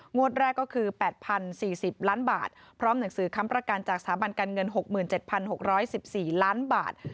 งวดแรกก็คือ๘๐๔๐ล้านบาทพร้อมหนังสือค้ำประกันจากสถาบันการเงิน๖๗๖๑๔ล้านบาท